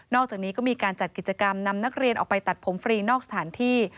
อกจากนี้ก็มีการจัดกิจกรรมนำนักเรียนออกไปตัดผมฟรีนอกสถานที่